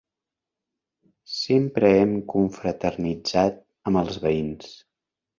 Sempre hem confraternitzat amb els veïns.